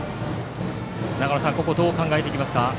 長野さん、ここどう考えますか。